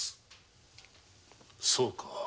そうか。